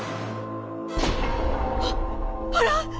あっあらっ？